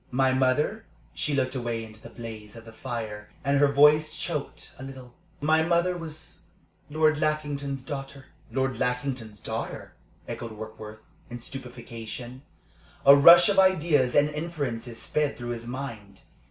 "My mother" she looked away into the blaze of the fire, and her voice choked a little "my mother was Lord Lackington's daughter." "Lord Lackington's daughter?" echoed Warkworth, in stupefaction. A rush of ideas and inferences sped through his mind.